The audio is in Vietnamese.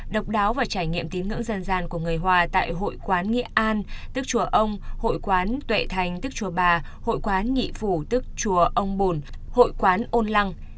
hội quán tín ngưỡng dân gian của người hoa tại hội quán nghĩa an tức chùa ông hội quán tuệ thành tức chùa bà hội quán nghị phủ tức chùa ông bồn hội quán ôn lăng